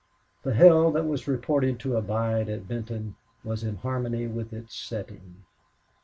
The hell that was reported to abide at Benton was in harmony with its setting.